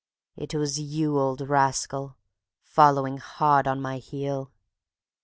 . it was you, old rascal, following hard on my heel.